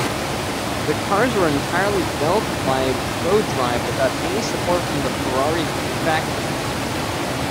The cars were entirely built by Prodrive without any support from the Ferrari factory.